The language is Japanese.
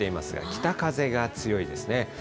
北風が強いですね。